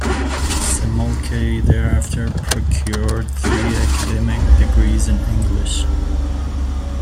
Simolke thereafter procured three academic degrees in English.